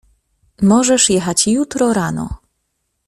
Możesz jechać jutro rano.